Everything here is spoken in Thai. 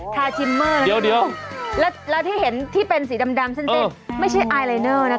ทาชิมเมอร์นะเดี๋ยวแล้วที่เห็นที่เป็นสีดำเส้นไม่ใช่ไอลายเนอร์นะคะ